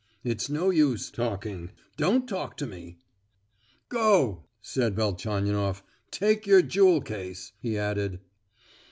It's no use talking—don't talk to me!" "Go!" said Velchaninoff. "Take your jewel case!" he added.